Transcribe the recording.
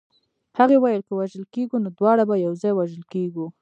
هغې ویل که وژل کېږو نو دواړه به یو ځای وژل کېږو